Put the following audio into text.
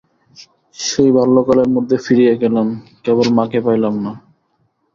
সেই বাল্যকালের মধ্যে ফিরিয়া গেলাম, কেবল মাকে পাইলাম না।